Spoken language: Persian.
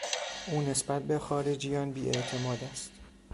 او نسبت به خارجیان بیاعتماد است.